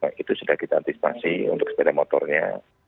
nah itu sudah kita antisipasi untuk sepeda motornya